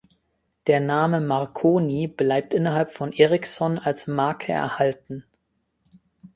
Der Name Marconi bleibt innerhalb von Ericsson als Marke erhalten.